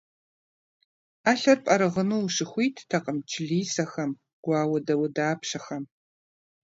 Ӏэлъэр пӏэрыгъыну ущыхуиттэкъым члисэхэм, гуауэ дауэдапщэхэм.